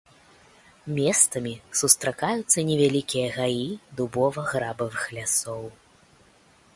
Месцамі сустракаюцца невялікія гаі дубова-грабавых лясоў.